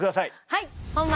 はい！